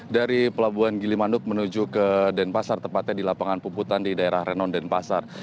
dari pelabuhan gilimanuk menuju ke denpasar tepatnya di lapangan puputan di daerah renon denpasar